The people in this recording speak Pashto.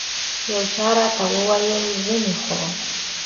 یو چا راته وویل ځینې خو.